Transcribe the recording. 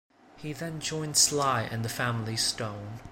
He then joined Sly and The Family Stone.